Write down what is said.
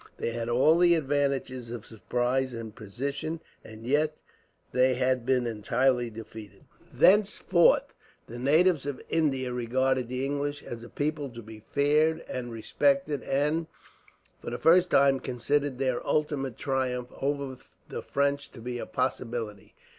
They had all the advantages of surprise and position; and yet, they had been entirely defeated. Thenceforth the natives of India regarded the English as a people to be feared and respected; and, for the first time, considered their ultimate triumph over the French to be a possibility.